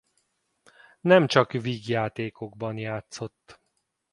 Nem csak vígjátékokban játszott.